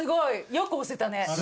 よく押せたね。